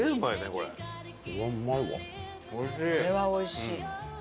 これはおいしい。